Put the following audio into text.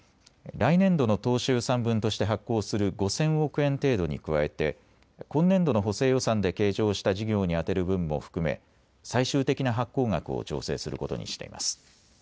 来年度の当初予算分として発行する５０００億円程度に加えて今年度の補正予算で計上した事業に充てる分も含め最終的な発行額を調整することにしています。